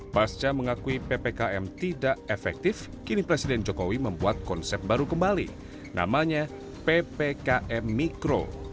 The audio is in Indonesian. pasca mengakui ppkm tidak efektif kini presiden jokowi membuat konsep baru kembali namanya ppkm mikro